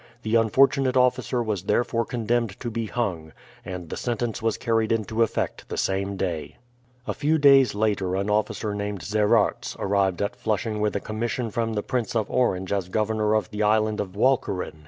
The unfortunate officer was therefore condemned to be hung, and the sentence was carried into effect the same day. A few days later an officer named Zeraerts arrived at Flushing with a commission from the Prince of Orange as Governor of the Island of Walcheren.